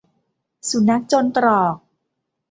สุนัขจนตรอก